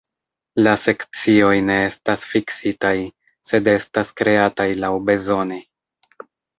La Sekcioj ne estas fiksitaj, sed estas kreataj laŭbezone.